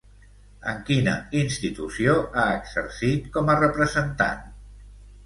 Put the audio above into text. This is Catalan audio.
En quina institució ha exercit com a representant?